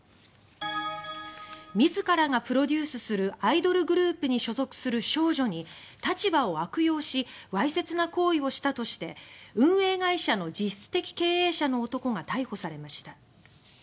自らがプロデュースするアイドルグループに所属する少女に立場を悪用しわいせつな行為をしたとして運営会社の実質的経営者の男が逮捕されました。